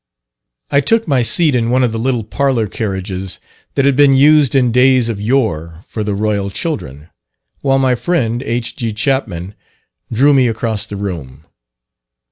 I took my seat in one of the little parlour carriages that had been used in days of yore for the Royal children; while my friend, H.G. Chapman, drew me across the room.